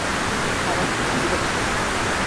বাবা, তুমি কি করছো?